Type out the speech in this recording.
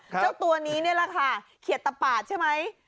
เจ้าตัวนี้นี่แหละค่ะเขียดตะปาดใช่ไหม